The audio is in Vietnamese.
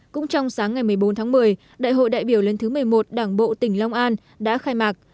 cũng trong sáng ngày một mươi bốn tháng một mươi đại hội đại biểu lần thứ một mươi một đảng bộ tỉnh long an đã khai mạc